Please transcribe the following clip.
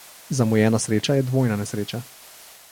Zamujena sreča je dvojna nesreča.